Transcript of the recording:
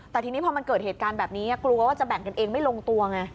แต่ทีนี้พอมันเกิดเหตุการณ์แบบนี้กลัวว่าจะแบ่งกันเองไม่ลงตัวไง